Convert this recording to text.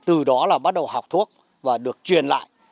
từ đó là bắt đầu học thuốc và được truyền lại